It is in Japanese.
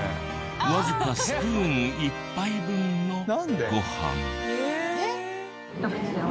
なぜかスプーン１杯分のご飯。